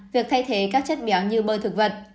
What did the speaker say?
việc thay thế các chất béo như bơ thực vật